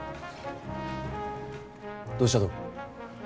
どうしたと？